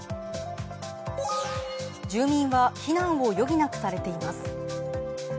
住民は避難を余儀なくされています。